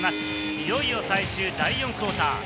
いよいよ最終、第４クオーター。